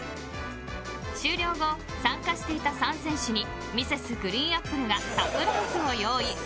終了後、参加していた３選手にＭｒｓ．ＧＲＥＥＮＡＰＰＬＥがサプライズを用意。